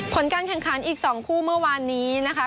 ผลการแข่งขันอีก๒คู่เมื่อวานนี้นะคะ